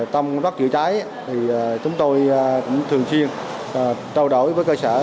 trong phát chữa cháy thì chúng tôi cũng thường xuyên trao đổi với cơ sở